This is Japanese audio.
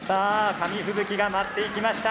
紙吹雪が舞っていきました。